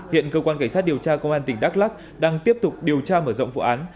hiện cơ quan cảnh sát điều tra công an tỉnh đắk lắc đang tiếp tục điều tra mở rộng vụ án